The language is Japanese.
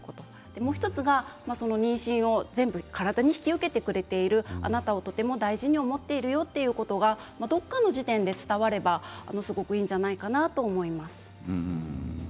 もう１つは妊娠を全部、体に引き受けてくれているあなたをとても大事に思っているよということはどこかの時点で伝わればいいじゃないかなと思います。